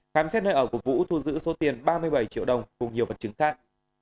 khám xét nơi ở của vũ thu giữ số tiền ba mươi bảy triệu đồng cùng nhiều vật chứng khác